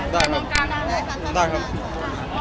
ได้นะครับได้ฟังซ้ำน้ำกล้อง